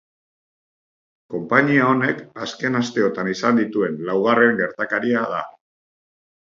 Konpainia honek azken asteotan izan dituen laugarren gertakaria da.